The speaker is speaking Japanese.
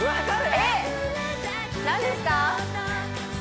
えっ何ですか？